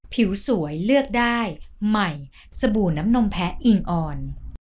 ผิวสวยเลือกได้ใหม่สบู่น้ำนมแพ้อิงอ่อน